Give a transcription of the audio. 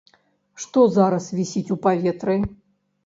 Што зараз вісіць у паветры?